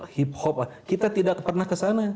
hip hop kita tidak pernah ke sana